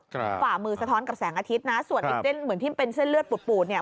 ฝ่ามือสะท้อนกับแสงอาทิตย์นะส่วนไอ้เส้นเหมือนที่เป็นเส้นเลือดปูดปูดเนี่ย